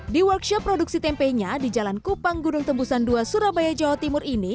di workshop produksi tempenya di jalan kupang gunung tembusan dua surabaya jawa timur ini